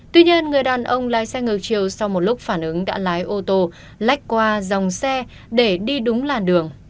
tuy nhiên người đàn ông lái xe ngược chiều sau một lúc phản ứng đã lái ô tô lách qua dòng xe để đi đúng làn đường